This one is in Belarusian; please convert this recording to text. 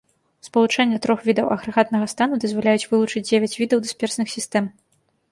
Спалучэння трох відаў агрэгатнага стану дазваляюць вылучыць дзевяць відаў дысперсных сістэм.